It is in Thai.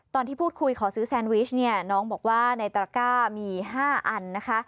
ตอนที่พูดคุยขอซื้อแซนวิชเนี่ยน้องบอกว่าในตระก้ามี๕อันนะคะ